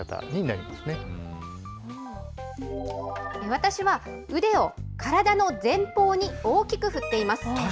私は、腕を体の前方に大きく振っています。